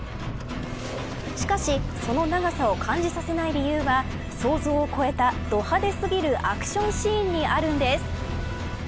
しかしその長さを感じさせない理由は想像を超えた、ど派手過ぎるアクションシーンにあるんです。